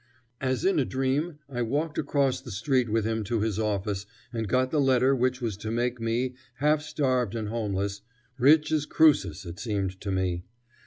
As in a dream, I walked across the street with him to his office and got the letter which was to make me, half starved and homeless, rich as Crusus, it seemed to me.